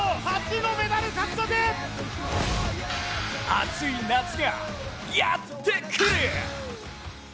アツい夏がやってくる！